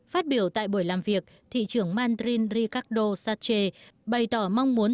phát biểu tại buổi làm việc thị trưởng mandarin ricardo sache bày tỏ mong muốn